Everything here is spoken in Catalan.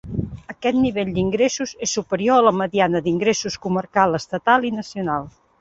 Aquest nivell d'ingressos és superior a la mediana d'ingressos comarcal, estatal i nacional.